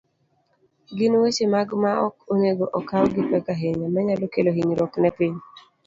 Gin weche mage maok onego okaw gipek ahinya, manyalo kelo hinyruok ne piny?